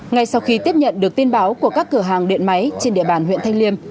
ngay sau khi tiếp nhận được tin báo của các cửa hàng điện máy trên địa bàn huyện thanh liêm